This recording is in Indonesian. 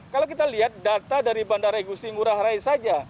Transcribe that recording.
kalau kita lihat data dari bandara igusti ngurah rai saja